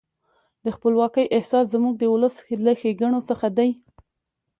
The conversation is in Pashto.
د خپلواکۍ احساس زموږ د ولس له ښېګڼو څخه دی.